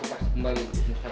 aku pasti kembali lagi